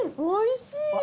おいしい。